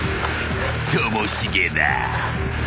［ともしげだ］